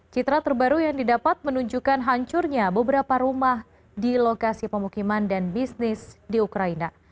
citra terbaru yang didapat menunjukkan hancurnya beberapa rumah di lokasi pemukiman dan bisnis di ukraina